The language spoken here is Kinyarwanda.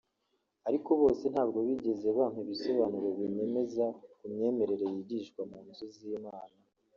ariko bose ntabwo bigeze bampa ibisobanuro binyemeza ku myemerere yigishwa mu nzu z’Imana